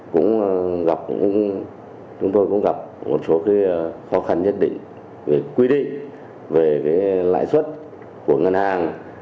chúng tôi cũng gặp một số khó khăn nhất định về quy định về lãi suất của ngân hàng